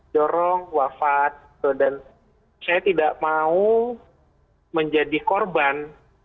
dorong wafat dan saya tidak mau menjadi korban